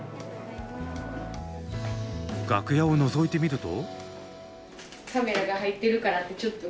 楽屋をのぞいてみると。